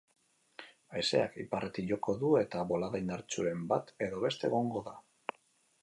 Haizeak iparretik joko du, eta bolada indartsuren bat edo beste egongo da.